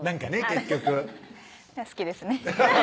結局好きですね